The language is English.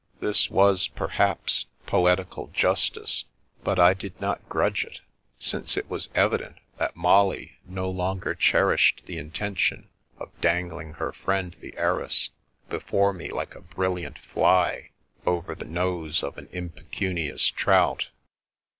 This was, perhaps, poetical jus tice, but I did not grudge it, since it was evident that Molly no longer cherished the intention of dangling her friend the heiress before me like a brilliant fly over the nose of an impecunious trout.